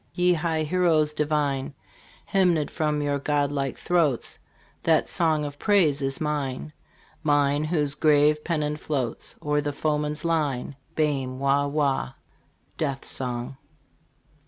Ye high heroes divine, Hymned from your god like throats That song of praise is mine ! Mine, whose grave pennon floats O'er the foeman's line. Bairn wah wah ! Death Song.